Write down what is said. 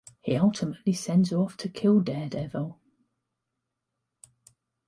He ultimately sends her off to kill Daredevil.